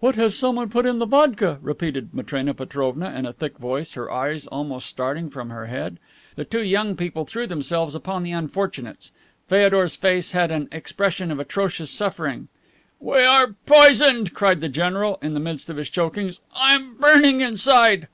"What has someone put in the vodka?" repeated Matrena Petrovna in a thick voice, her eyes almost starting from her head. The two young people threw themselves upon the unfortunates. Feodor's face had an expression of atrocious suffering. "We are poisoned," cried the general, in the midst of his chokings. "I am burning inside."